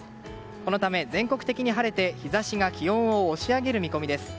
このため、全国的に晴れて日差しが気温を押し上げる見込みです。